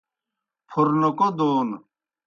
پھورنوکہ دون